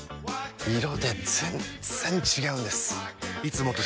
色で全然違うんです！